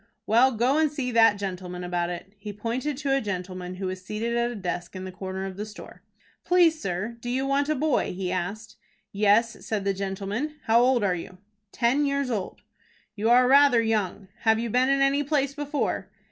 "Well, go and see that gentleman about it." He pointed to a gentleman who was seated at a desk in the corner of the store. "Please, sir, do you want a boy?" he asked. "Yes," said the gentleman. "How old are you?" "Ten years old." "You are rather young. Have you been in any place before?"